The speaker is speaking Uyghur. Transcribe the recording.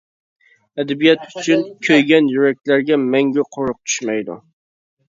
ئەدەبىيات ئۈچۈن كۆيگەن يۈرەكلەرگە مەڭگۈ قورۇق چۈشمەيدۇ.